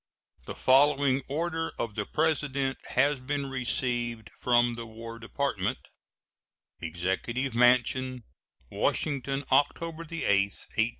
The following order of the President has been received from the War Department: EXECUTIVE MANSION, Washington, October 8, 1869.